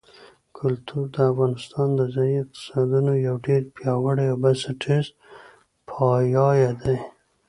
کلتور د افغانستان د ځایي اقتصادونو یو ډېر پیاوړی او بنسټیز پایایه دی.